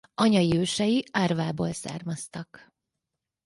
Anyai ősei Árvából származtak.